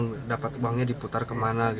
bagaimana kita dapat kembangnya diputar kemana